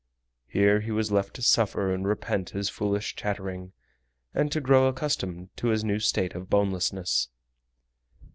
Here he was left to suffer and repent his foolish chattering, and to grow accustomed to his new state of bonelessness.